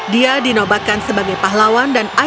dia dinobatkan sebagai pahlawan dan adik